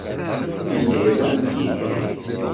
Anda ay ẓrant Yidir?